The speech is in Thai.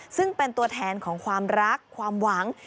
ซึ่งเป็นตัวแทนของความรักความหวัง